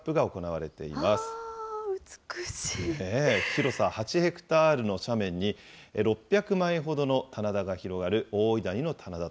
広さ８ヘクタールの斜面に、６００枚ほどの棚田が広がる大井谷の棚田。